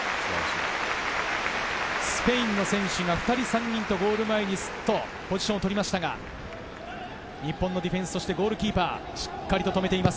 スペインの選手が２人３人とゴール前にポジションを取りましたが、日本のディフェンス、ゴールキーパーしっかり止めています。